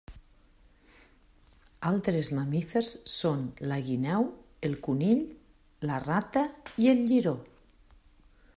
Altres mamífers són la guineu, el conill la rata i el liró.